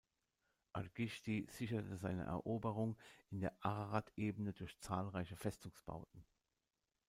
Argišti sicherte seine Eroberungen in der Ararat-Ebene durch zahlreiche Festungsbauten.